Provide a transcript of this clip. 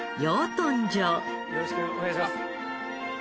よろしくお願いします。